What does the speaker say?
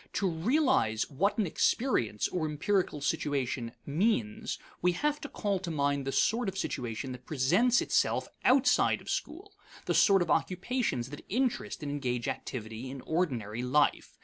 To realize what an experience, or empirical situation, means, we have to call to mind the sort of situation that presents itself outside of school; the sort of occupations that interest and engage activity in ordinary life.